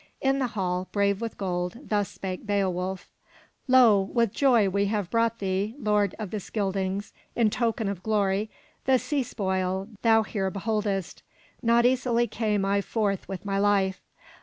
In the hall, brave with gold, thus spake Beowulf: "Lo, with joy we have brought thee, lord of the Scyldings, in token of glory, the sea spoil thou here beholdest. Not easily came I forth with my life.